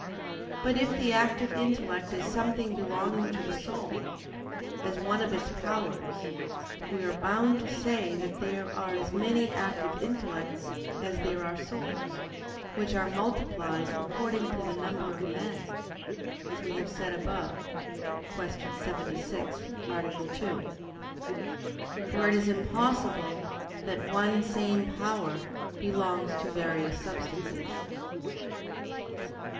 But if the active intellect is something belonging to the soul, as one of its powers, we are bound to say that there are as many active intellects as there are souls, which are multiplied according to the number of men, as we have said above (Q. 76, A. 2). For it is impossible that one same power belong to various substances.